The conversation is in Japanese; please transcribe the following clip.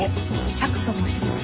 サクと申します。